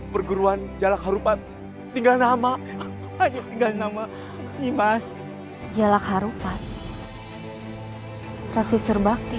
perguruan jalak harupan tinggal nama hanya tinggal nama ini mas jalak harupan prosesor bakti